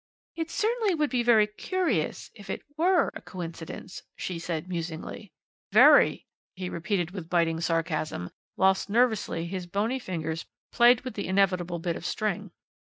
"It certainly would be very curious, if it were a coincidence," she said musingly. "Very," he repeated with biting sarcasm, whilst nervously his bony fingers played with the inevitable bit of string.